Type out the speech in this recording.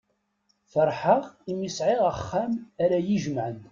Ferḥeɣ imi sεiɣ axxam ara y-ijemεen.